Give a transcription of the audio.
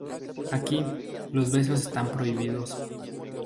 Aquí, los besos están prohibidos.